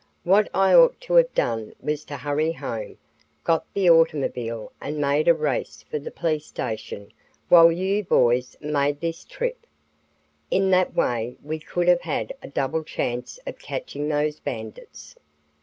What I ought to have done was to hurry home, got the automobile and made a race for the police station while you boys made this trip. In that way we could 'ave had a double chance of catching those bandits.